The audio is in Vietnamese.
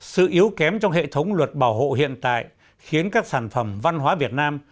sự yếu kém trong hệ thống luật bảo hộ hiện tại khiến các sản phẩm văn hóa việt nam